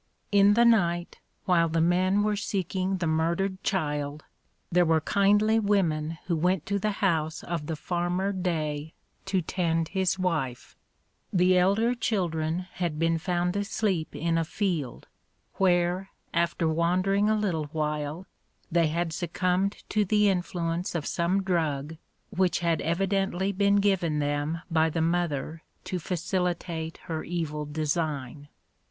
In the night, while the men were seeking the murdered child, there were kindly women who went to the house of the farmer Day to tend his wife. The elder children had been found asleep in a field, where, after wandering a little while, they had succumbed to the influence of some drug, which had evidently been given them by the mother to facilitate her evil design.